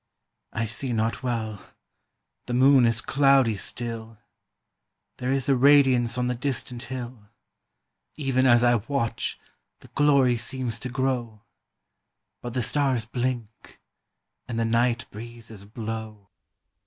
"I see not well, the moon is cloudy still, There is a radiance on the distant hill; Even as I watch the glory seems to grow; But the stars blink, and the night breezes blow."